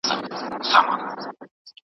تر څو پوري چي د منظور پښتین